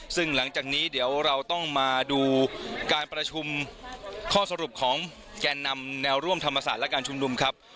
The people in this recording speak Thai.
ซึ่งหลังจากนี้เดี๋ยวเราต้องมาดูการประชุมข้อสรุปของแก่นำแนวร่วมธรรมศาสตร์และการชุมนุมครับ